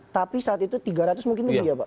tapi saat itu tiga ratus mungkin juga pak